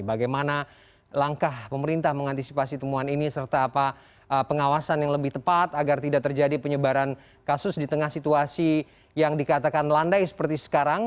bagaimana langkah pemerintah mengantisipasi temuan ini serta apa pengawasan yang lebih tepat agar tidak terjadi penyebaran kasus di tengah situasi yang dikatakan landai seperti sekarang